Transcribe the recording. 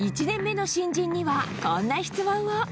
１年目の新人にはこんな質問を。